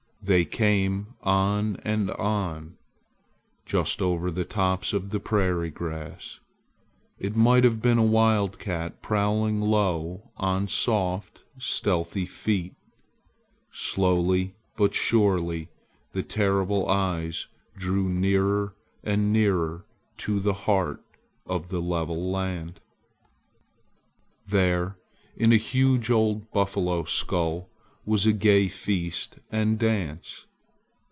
They came on and on, just over the tops of the prairie grass. It might have been a wildcat prowling low on soft, stealthy feet. Slowly but surely the terrible eyes drew nearer and nearer to the heart of the level land. There in a huge old buffalo skull was a gay feast and dance!